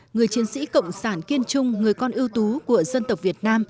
người chiến sĩ cộng sản kiên trung người con ưu tú của dân tộc việt nam